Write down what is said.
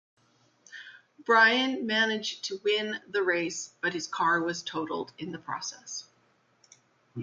Brian managed to win the race, but his car was totaled in the process.